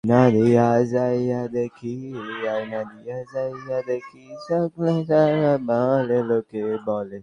এদিকে কোবানি যুদ্ধে কুর্দিদের অংশ নেওয়ার সুযোগ দেওয়া হবে বলে জানিয়েছে তুরস্ক।